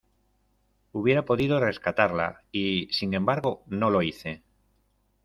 hubiera podido rescatarla, y , sin embargo , no lo hice.